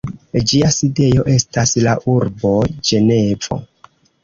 Ĝia sidejo estas la urbo Ĝenevo.